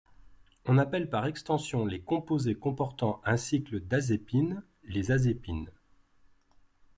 On appelle par extension les composés comportant un cycle d'azépine les azépines.